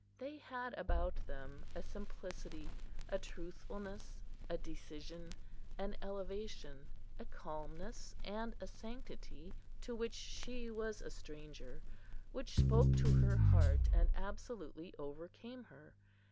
They had about them a simplicity, a truthfulness, a decision, an elevation, a calmness, and a sanctity to which she was a stranger, which spoke to her heart and absolutely overcame her.